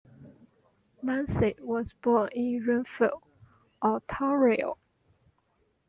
Lindsay was born in Renfrew, Ontario.